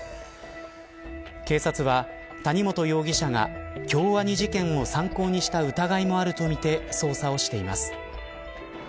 警察は、谷本容疑者が京アニ事件を参考にした疑いもあるとみて捜査をしています。